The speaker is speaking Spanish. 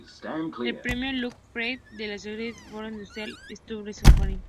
El Premio Ludwik Fleck de la Society for Social Studies of Science